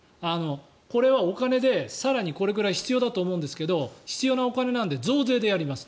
これはお金で更にこれくらい必要だと思うんですが必要なお金なので増税でやります。